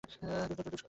এটাই আমার পরিবার।